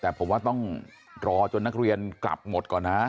แต่ผมว่าต้องรอจนนักเรียนกลับหมดก่อนนะ